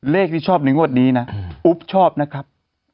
เลขที่ชอบในงวดนี้นะอุ๊บชอบนะครับ